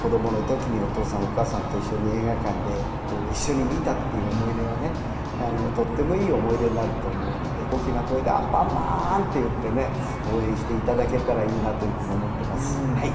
子どものときにお父さん、お母さんと一緒に映画館で一緒に見たっていう思い出はね、とってもいい思い出になると思うので、大きな声でアンパンマンって言ってね、応援していただけたらいいなというふうに思ってます。